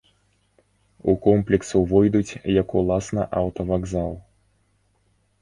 У комплекс увойдуць як уласна аўтавакзал.